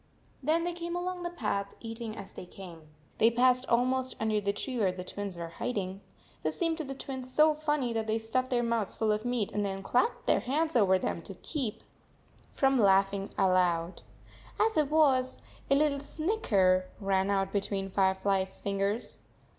48 Then they came along the path, eating as they came. They passed almost under the tree where the Twins were hiding. This seemed to the Twins so funny that they stuffed their mouths full of meat and then clapped their hands over them to keep from 49 laughing aloud. As it was, a little snicker ran out between Firefly s fingers.